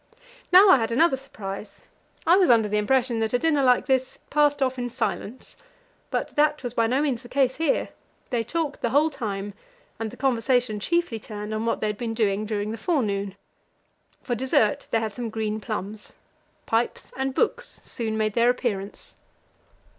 Now I had another surprise; I was under the impression that a dinner like this passed off in silence, but that was by no means the case here. They talked the whole time, and the conversation chiefly turned on what they had been doing during the forenoon. For dessert they had some green plums. Pipes and books soon made their appearance.